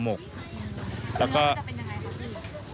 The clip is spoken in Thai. แล้วก็เนื้อจะเป็นอย่างไรครับ